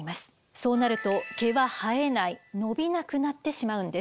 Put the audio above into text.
そうなると毛は生えない伸びなくなってしまうんです。